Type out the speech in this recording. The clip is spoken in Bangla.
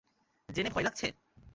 জেনে ভয় লাগছে?